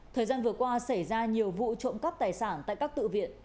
thời gian vừa qua xảy ra nhiều vụ trộm cắp tài sản tại các tự viện